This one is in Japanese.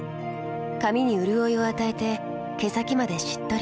髪にうるおいを与えて毛先までしっとり。